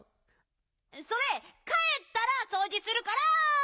それかえったらそうじするから！